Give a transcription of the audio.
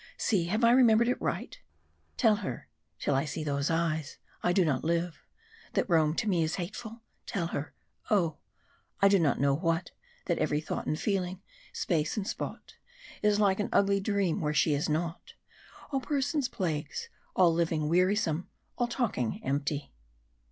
See, have I remembered it right? "'Tell her, till I see Those eyes, I do not live that Rome to me Is hateful, tell her oh! I know not what That every thought and feeling, space and spot, Is like an ugly dream where she is not; All persons plagues; all living wearisome; All talking empty...'.